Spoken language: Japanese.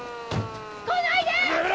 来ないで！